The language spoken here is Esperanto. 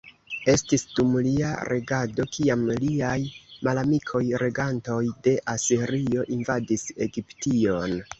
Estis dum lia regado kiam liaj malamikoj, regantoj de Asirio, invadis Egiption.